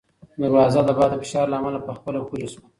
دروازه د باد د فشار له امله په خپله پورې شوه.